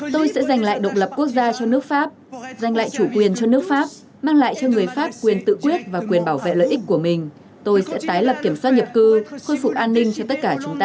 tôi sẽ giành lại độc lập quốc gia cho nước pháp giành lại chủ quyền cho nước pháp mang lại cho người pháp quyền tự quyết và quyền bảo vệ lợi ích của mình tôi sẽ tái lập kiểm soát nhập cư khôi phục an ninh cho tất cả chúng ta